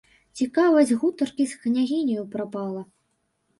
Цікавасць гутаркі з княгіняю прапала.